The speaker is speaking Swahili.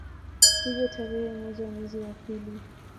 Hivyo tarehe moja mwezi wa pili